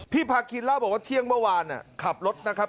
พาคินเล่าบอกว่าเที่ยงเมื่อวานขับรถนะครับ